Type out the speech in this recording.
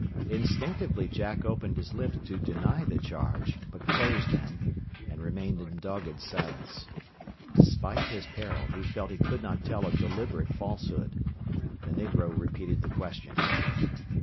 Instinctively Jack opened his lips to deny the charge, but closed them, and remained in dogged silence. Despite his peril, he felt he could not tell a deliberate falsehood. The negro repeated the question.